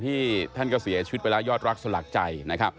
ที่ท่านก็เสียชีวิตไปแล้วยอดรักษ์สลักใจ